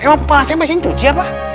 emang palasnya mesin cucian lah